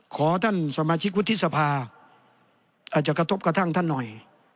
ขอท่านสมาชิกวุฒิสภาอาจจะกระทบกระทั่งท่านหน่อย